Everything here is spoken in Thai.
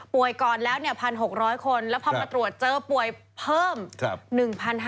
ป่วยก่อนแล้ว๑๖๐๐คนแล้วพอมาตรวจเจอป่วยเพิ่ม๑๕๐๐คน